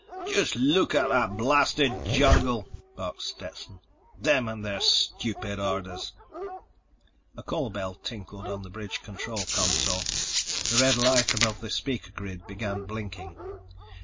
"Just look at that blasted jungle!" barked Stetson. "Them and their stupid orders!" A call bell tinkled on the bridge control console. The red light above the speaker grid began blinking.